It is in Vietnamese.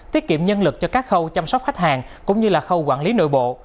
tiết kiệm nhân lực cho các khâu chăm sóc khách hàng cũng như là khâu quản lý nội bộ